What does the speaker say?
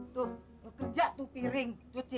tuh kerja tuh piring